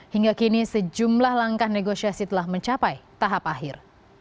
hingga kini sejumlah langkah negosiasi telah mencapai tahap akhir